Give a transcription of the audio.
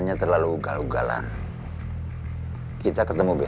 gitu lebih baiknya lihat kamu